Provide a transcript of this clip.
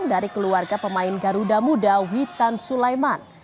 dari keluarga pemain garuda muda witan sulaiman